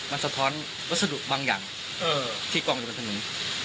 มันสะท้อนวัสดุบางอย่างที่กองอยู่บนถนน